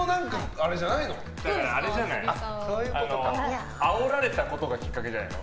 あれじゃない？あおれられたことがきっかけじゃないの？